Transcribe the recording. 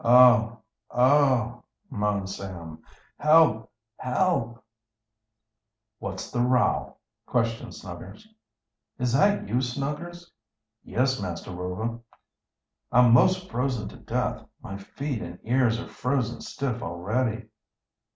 "Oh! oh!" moaned Sam. "Help! help!" "What's the row?" questioned Snuggers. "Is that you, Snuggers?" "Yes, Master Rover." "I'm most frozen to death! My feet and ears are frozen stiff already!"